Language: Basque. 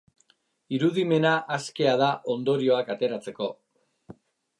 Irudimena askea da ondorioak ateratzeko.